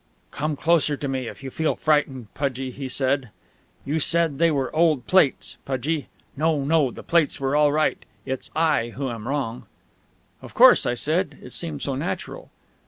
"Come closer to me if you feel frightened, Pudgie," he said. "You said they were old plates, Pudgie. No no; the plates were all right; it's I who am wrong!" "Of course," I said. It seemed so natural.